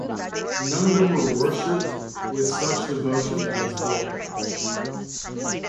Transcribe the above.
None of them was worshipped with such devotion as Balder.